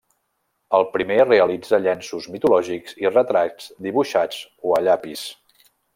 El primer realitza llenços mitològics i retrats dibuixats o a llapis.